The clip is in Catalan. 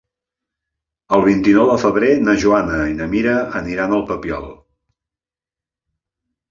El vint-i-nou de febrer na Joana i na Mira iran al Papiol.